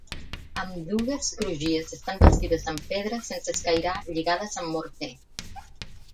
Ambdues crugies estan bastides amb pedra sense escairar lligades amb morter.